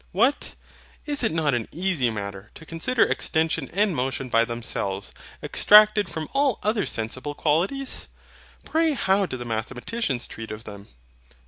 What! is it not an easy matter to consider extension and motion by themselves, abstracted from all other sensible qualities? Pray how do the mathematicians treat of them?